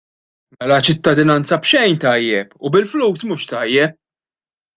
Mela ċittadinanza b'xejn tajjeb u bil-flus mhux tajjeb!